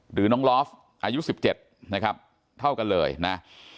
หรือน้องลอฟอายุ๑๗นะครับเท่ากันเลยนะ